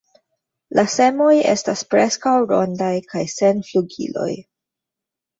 La semoj estas preskaŭ rondaj kaj sen flugiloj.